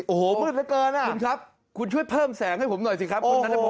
โอ้โหมืดเกินอ่ะคุณครับคุณช่วยเพิ่มแสงให้ผมหน่อยสิครับ